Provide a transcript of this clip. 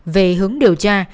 về hướng điều tra